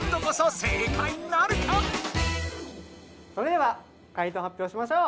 それでは解答はっぴょうしましょう。